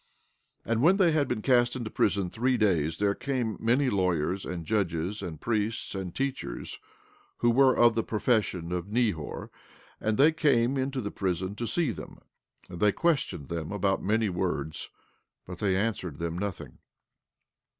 14:18 And when they had been cast into prison three days, there came many lawyers, and judges, and priests, and teachers, who were of the profession of Nehor; and they came in unto the prison to see them, and they questioned them about many words; but they answered them nothing.